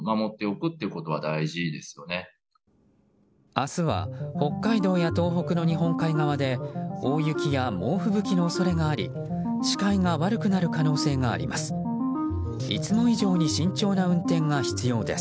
明日は北海道や東北の日本海側で大雪や猛吹雪の恐れがあり視界が悪くなる可能性があります。